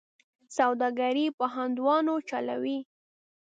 سوداګري په هندوانو چلوي.